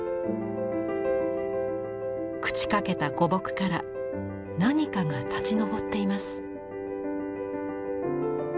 朽ちかけた古木から何かが立ち上っています。